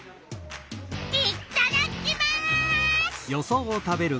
いっただきます！